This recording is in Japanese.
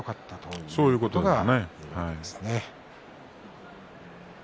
そういうことですね。